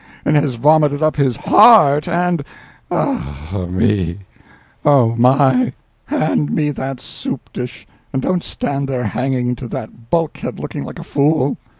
and has vomited up his heart and—ah, me—oh my! hand me that soup dish, and don't stand there hanging to that bulkhead looking like a fool!"